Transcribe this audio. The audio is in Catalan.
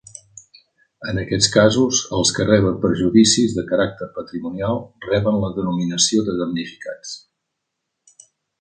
En aquests casos, els que reben perjudicis de caràcter patrimonial reben la denominació de damnificats.